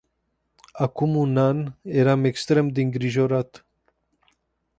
Acum un an eram extrem de îngrijorat.